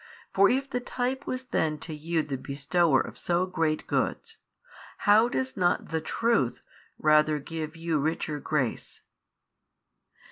For if the type was then to you the bestower of so great goods, how does not the Truth rather give you richer grace?